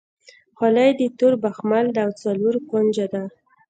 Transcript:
خولۍ د تور بخمل ده او څلور کونجه ده.